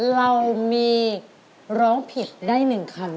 เรามีร้องผิดได้๑คำ